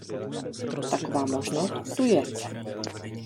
Taková možnost tu je.